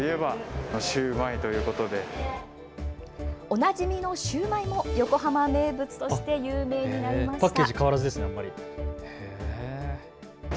おなじみのシューマイも横浜名物として有名になりました。